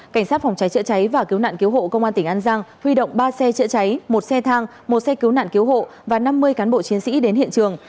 cảnh sát phòng cháy chữa cháy và cứu nạn cứu hộ công an tỉnh an giang huy động ba xe chữa cháy một xe thang một xe cứu nạn cứu hộ và năm mươi cán bộ chiến sĩ đến hiện trường